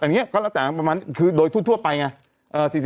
อันนี้ก็ต่างประมาณคือโดยทุกไปไง